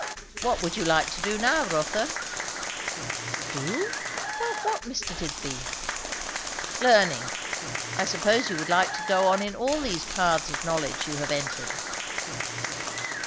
"What would you like to do now, Rotha?" "Do? About what, Mr. Digby?" "Learning. I suppose you would like to go on in all these paths of knowledge you have entered?"